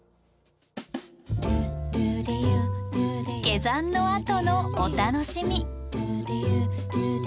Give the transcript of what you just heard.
下山のあとのお楽しみ。